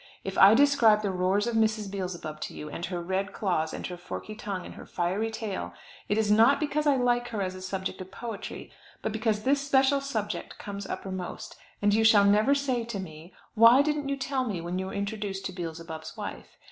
If I describe the roars of Mrs. Beelzebub to you, and her red claws, and her forky tongue, and her fiery tail, it is not because I like her as a subject of poetry, but because this special subject comes uppermost; and you shall never say to me, why didn't you tell me when you were introduced to Beelzebub's wife?